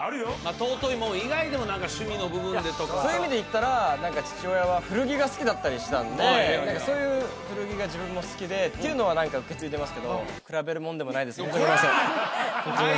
尊いもん以外でも何か趣味の部分でとかそういう意味でいったら父親は古着が好きだったりしたんでそういう古着が自分も好きでっていうのは受け継いでますけど比べるもんでもないですコラー！